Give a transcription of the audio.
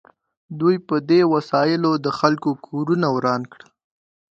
دوی په دې وسایلو د خلکو کورونه وران کړل